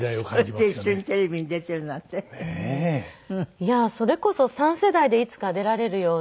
いやーそれこそ三世代でいつか出られるように。